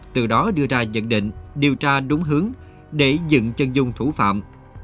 từ đó đưa ra nhận định điều tra đúng hướng để dựng chân dung thủ phạm